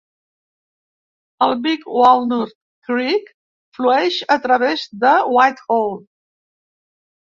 El Big Walnut Creek flueix a través de Whitehall.